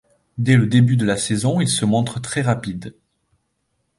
Dès le début de la saison, il se montre très rapide.